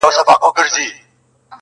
نقادان يې بېلابېل تحليلونه کوي تل,